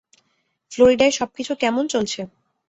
ফ্লোরিডায় সবকিছু কেমন চলছে?